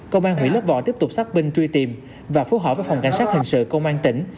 công an huyện lấp vò tiếp tục sát binh truy tìm và phối hỏi với phòng cảnh sát hình sự công an tỉnh